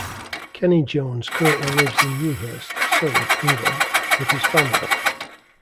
Kenney Jones currently lives in Ewhurst, Surrey, England, with his family.